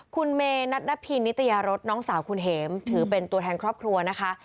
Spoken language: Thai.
คุณเมนัทนพินนิตยารสน้องสาวคุณเห็มถือเป็นตัวแทนครอบครัวนะคะ